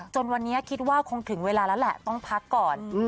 จนวันนี้คิดว่าคงถึงเวลาแล้วแหละต้องพักก่อน